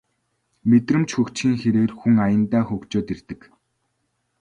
Мэдрэмж хөгжихийн хэрээр хүн аяндаа хөгжөөд ирдэг